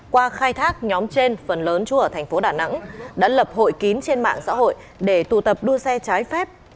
qua khai thác nhóm trên phần lớn chú ở thành phố đà nẵng đã lập hội kín trên mạng xã hội để tụ tập đua xe trái phép